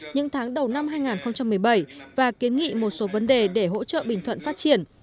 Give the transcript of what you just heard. những tháng đầu năm hai nghìn một mươi bảy và kiến nghị một số vấn đề để hỗ trợ bình thuận phát triển